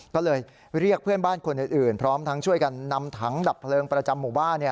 ก็เลยเรียกเพื่อนบ้านคนอื่นพร้อมทั้งช่วยกันนำถังดับเพลิงประจำหมู่บ้าน